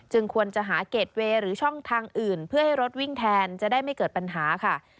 ควรจะหาเกรดเวย์หรือช่องทางอื่นเพื่อให้รถวิ่งแทนจะได้ไม่เกิดปัญหาค่ะ